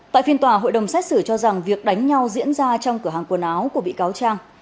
tại phiên tòa hội đồng xét xử cho rằng việc đánh nhau diễn ra trong cửa hàng quần áo của bị cáo trang